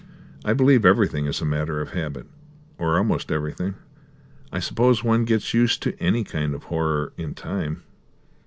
I believe everything is a matter of habit, or almost everything. I suppose one gets used to any kind of horror in time."